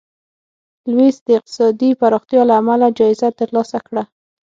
لویس د اقتصادي پراختیا له امله جایزه ترلاسه کړه.